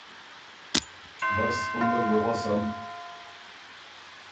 بس اُن دل بُو غؤسم